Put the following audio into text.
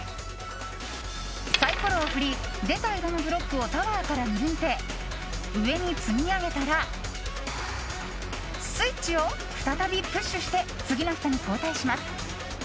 サイコロを振り出た色のブロックをタワーから抜いて上に積み上げたらスイッチを再びプッシュして次の人に交代します。